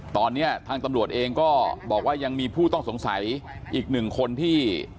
ตอนนี้ทางตำรวจเองก็บอกว่ายังมีผู้ต้องสงสัยอีกหนึ่งคนที่